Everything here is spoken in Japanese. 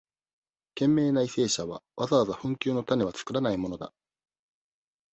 賢明な為政者は、わざわざ紛糾のタネはつくらないものだ。